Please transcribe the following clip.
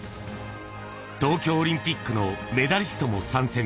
東京オリンピックのメダリストも参戦。